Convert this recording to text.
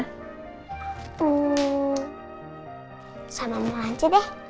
hmm sama mama aja deh